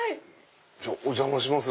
お邪魔します。